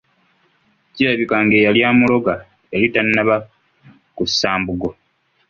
Kirabika ng'eyali amuloga yali tannaba kussa mbugo.